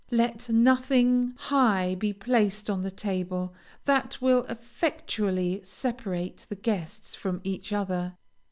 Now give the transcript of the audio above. Let nothing high be placed on the table, that will effectually separate the guests from each other.